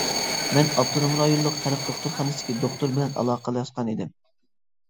مەن ئاپتونوم رايونلۇق خەلق دوختۇرخانىسىدىكى دوختۇر بىلەن ئالاقىلەشكەن ئىدىم.